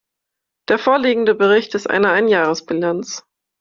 Der vorliegende Bericht ist eine Einjahresbilanz.